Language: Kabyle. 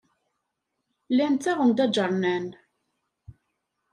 Llan ttaɣen-d aǧernan.